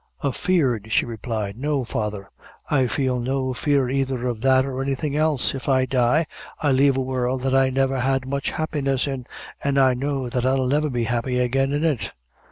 "Afeard!" she replied; "no, father, I feel no fear either of that or anything else. If I die, I lave a world that I never had much happiness in, an' I know that I'll never be happy again in it.